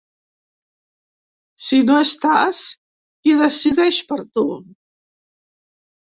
Si no estàs, qui decideix per tu?